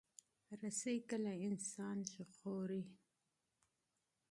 رسۍ کله انسان ژغوري.